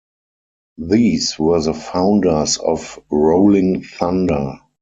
These were the founders of Rolling Thunder.